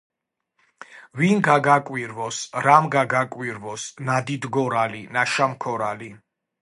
ვინ გაგაკვირვოს, რამ გაგაკვირვოს, ნადიდგორალი, ნაშამქორალი